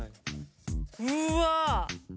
うわ！